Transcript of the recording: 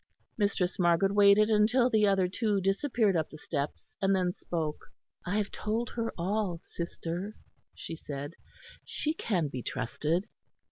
Mistress Margaret waited until the other two disappeared up the steps, and then spoke. "I have told her all, sister," she said, "she can be trusted."